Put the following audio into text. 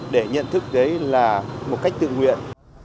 để nhận thức đấy là một cách tự nguyện